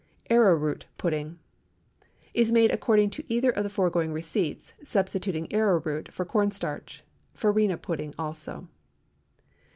ARROW ROOT PUDDING Is made according to either of the foregoing receipts, substituting arrow root for corn starch. Farina pudding also.